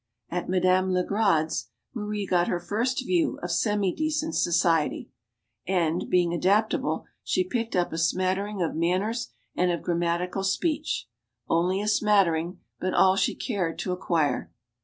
At Madame Legrade's, Marie got her first view of semidecent society. And, being adaptable, she picked up a smatttering of manners and of grammatical speech; only a smattering, but all she cared to acquire.